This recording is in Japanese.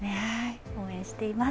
応援しています。